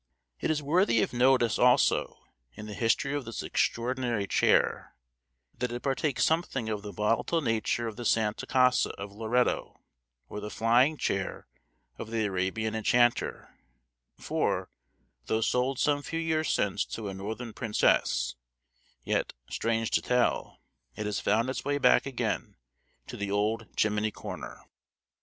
It is worthy of notice also, in the history of this extraordinary chair, that it partakes something of the volatile nature of the Santa Casa of Loretto, or the flying chair of the Arabian enchanter; for, though sold some few years since to a northern princess, yet, strange to tell, it has found its way back again to the old chimney corner.